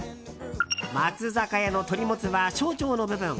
松坂屋の鶏もつは小腸の部分。